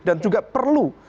dan juga perlu